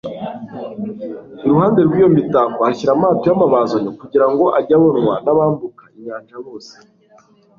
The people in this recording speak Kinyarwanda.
iruhande rw'iyo mitako ahashyira amato y'amabazanyo kugira ngo ajye abonwa n'abambuka inyanja bose